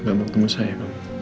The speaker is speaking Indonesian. gak bertemu saya kamu